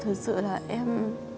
thật sự là em